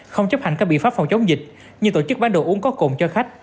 không chấp hành các biện pháp phòng chống dịch như tổ chức bán đồ uống có cồn cho khách